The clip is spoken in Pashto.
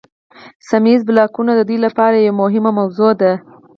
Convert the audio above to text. سیمه ایز بلاکونه د دوی لپاره یوه مهمه موضوع ده